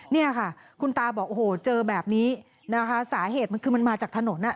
เนี่ยค่ะคุณตาบอกโอ้โหเจอแบบนี้นะคะสาเหตุมันคือมันมาจากถนนอ่ะ